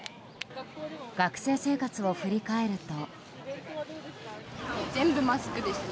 学生生活を振り返ると。